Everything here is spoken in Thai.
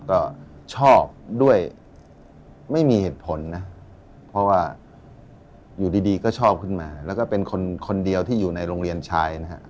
ก็ชอบด้วยไม่มีเหตุผลนะเพราะว่าอยู่ดีก็ชอบขึ้นมาแล้วก็เป็นคนเดียวที่อยู่ในโรงเรียนชายนะฮะ